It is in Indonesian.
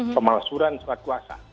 pemalsuran suatu asa